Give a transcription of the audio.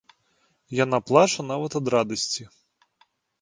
Яна плача нават ад радасці.